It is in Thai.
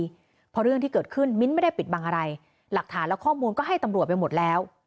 เพราะเรื่องที่เกิดขึ้นมิ้นท์ไม่ได้ปิดบังอะไรหลักฐานและข้อมูลก็ให้ตำรวจไปหมดแล้ว